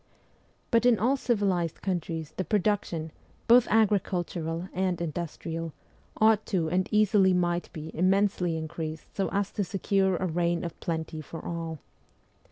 But in all civilized countries the production, both agricultural and industrial, ought to and easily might be immensely increased so as to secure a reign of plenty for all.